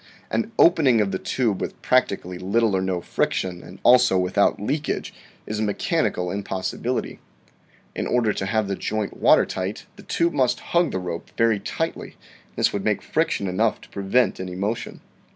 An " opening of the tube with practically little or no friction, and also without leakage " is a mechan ical impossibility. In order to have the joint water tight, the tube must hug the rope very tightly and this would make friction enough to prevent any motion.